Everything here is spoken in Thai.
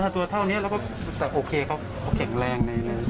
ตัวแรกจะโอเคแต่แก่งแรง